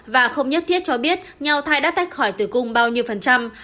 và không nhất thiết cho biết nhau thai đã tách khỏi tử cung bao nhiêu phần trăm